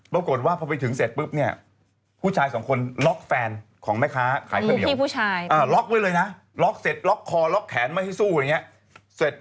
ปรากฏว่าพอไปถึงเสร็จปุ๊บผู้ชาย๒คนล็อกแฟนของแม่ค้าขายข้าเหนียว